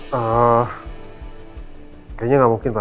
kayaknya nggak mungkin pak